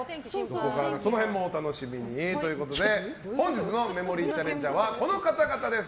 その辺もお楽しみにということで本日のメモリーチャレンジャーはこの方々です。